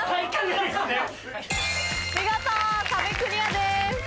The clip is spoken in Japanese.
見事壁クリアです。